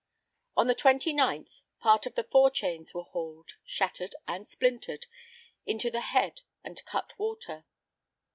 On the twenty ninth, part of the fore chains was hauled, shattered and splintered, also the head and cut water.